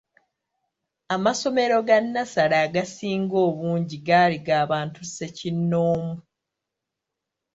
Amasomero ga nnassale agasinga obungi gaali g’abantu ssekinnoomu.